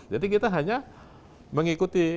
jadi kita hanya mengikuti